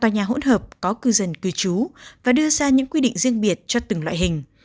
nhà hỗn hợp có cư dân cư trú và đưa ra những quy định riêng biệt cho từng loại hình